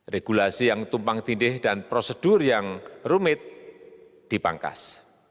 regulasi yang tumpang tindih dan prosedur yang rumit dipangkas